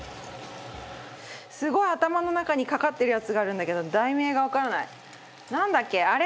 すごい頭の中にかかってるやつがあるんだけど題名がわからない。